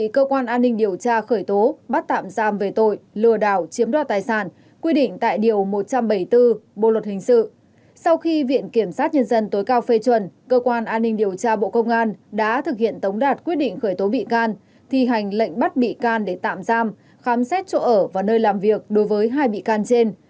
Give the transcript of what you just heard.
cơ quan an ninh điều tra bộ công an đã thực hiện tống đạt quyết định khởi tố bị can thi hành lệnh bắt bị can để tạm giam khám xét chỗ ở và nơi làm việc đối với hai bị can trên